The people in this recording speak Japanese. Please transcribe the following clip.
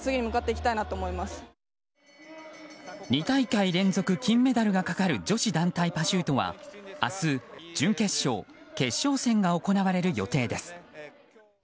２大会連続金メダルがかかる女子団体パシュートは明日、準決勝、決勝戦が行われる予定です。